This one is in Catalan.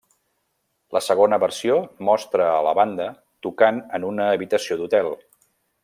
La segona versió mostra a la banda tocant en una habitació d'hotel.